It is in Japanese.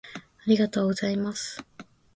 ありがとうございます